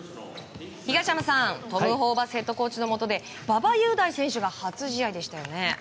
東山さん、トム・ホーバスヘッドコーチのもとで馬場雄大選手が初試合でしたよね。